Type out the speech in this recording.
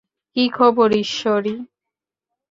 কী খবর, ঈশ্বরী!